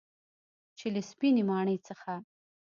چې له سپینې ماڼۍ څخه